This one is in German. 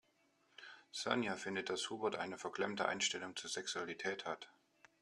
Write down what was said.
Sonja findet, dass Hubert eine verklemmte Einstellung zur Sexualität hat.